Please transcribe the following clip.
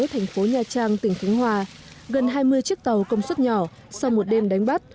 thành phố nha trang tỉnh khánh hòa gần hai mươi chiếc tàu công suất nhỏ sau một đêm đánh bắt